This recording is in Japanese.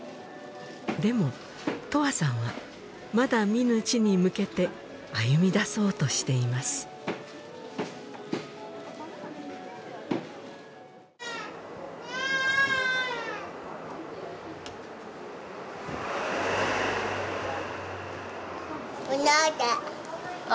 でも永遠さんはまだ見ぬ地に向けて歩み出そうとしていますあ